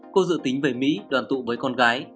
cô dự tính về mỹ đoàn tụ với con gái